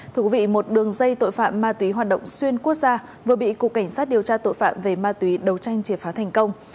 thưa quý vị một đường dây tội phạm ma túy hoạt động xuyên quốc gia vừa bị cục cảnh sát điều tra tội phạm về ma túy đấu tranh triệt phá thành công